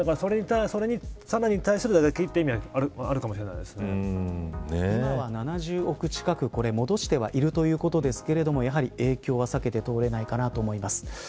それに対する打撃という意味も今は７０億近く戻してはいるということですけれどもやはり影響は避けて通れないかなと思います。